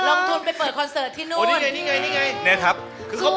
ลงทุนไปเปิดคอนเสิร์ตที่นู่น